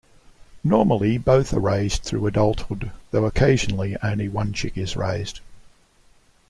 Normally, both are raised through adulthood, though occasionally only one chick is raised.